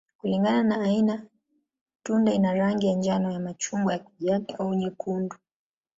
Kulingana na aina, tunda ina rangi ya njano, ya machungwa, ya kijani, au nyekundu.